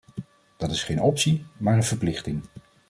Dat is geen optie, maar een verplichting.